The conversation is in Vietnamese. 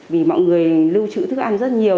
phải lưu trữ thức ăn rất nhiều